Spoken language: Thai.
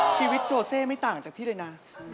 โจเซไม่ต่างจากพี่เลยนะ